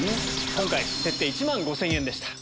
今回設定１万５０００円でした。